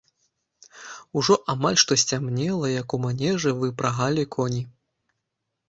Ужо амаль што сцямнела, як у манежы выпрагалі коні.